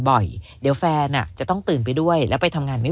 บ่อยเดี๋ยวแฟนอ่ะจะต้องตื่นไปด้วยแล้วไปทำงานไม่